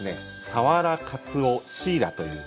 サワラ、カツオ、シイラという。